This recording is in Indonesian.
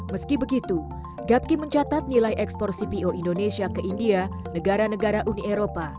meski begitu gapki mencatat nilai ekspor cpo indonesia ke india negara negara uni eropa